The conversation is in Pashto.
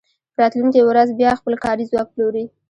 په راتلونکې ورځ بیا خپل کاري ځواک پلوري